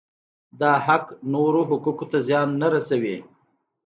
دا حق نورو حقوقو ته زیان نه رسوي.